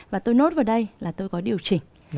và tôi nốt vào đây là tôi có điều chỉnh